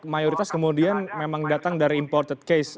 mayoritas kemudian memang datang dari imported case